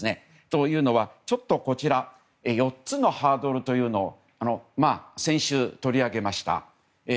というのは、こちら４つのハードルというのを先週、取り上げました。